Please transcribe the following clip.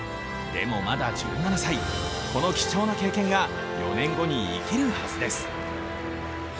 でもまだ１７歳、この貴重な経験が４年後に生きるはずです。